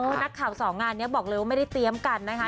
นักข่าวสองงานนี้บอกเลยว่าไม่ได้เตรียมกันนะคะ